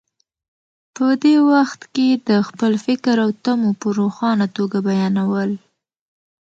په دې وخت کې د خپل فکر او تمو په روښانه توګه بیانول.